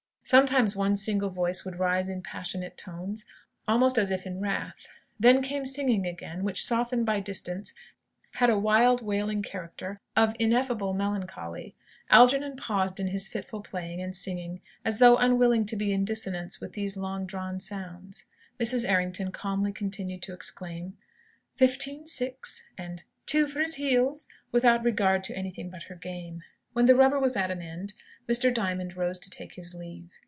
Sometimes one single voice would rise in passionate tones, almost as if in wrath. Then came singing again, which, softened by distance, had a wild, wailing character of ineffable melancholy. Algernon paused in his fitful playing and singing, as though unwilling to be in dissonance with those long drawn sounds. Mrs. Errington calmly continued to exclaim, "Fifteen six," and "two for his heels," without regard to anything but her game. When the rubber was at an end, Mr. Diamond rose to take his leave.